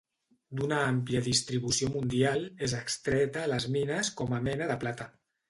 D'una àmplia distribució mundial, és extreta a les mines com a mena de plata.